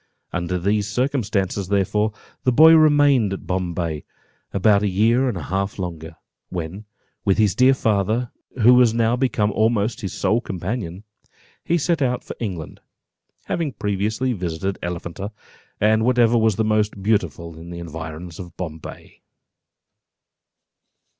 Under these circumstances, therefore, the boy remained at Bombay about a year and a half longer, when, with his dear father, who was now become almost his sole companion, he set out for England, having previously visited Elephanta, and whatever was most beautiful in the environs of Bombay.